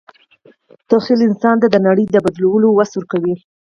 تخیل انسان ته د نړۍ د بدلولو وس ورکړی.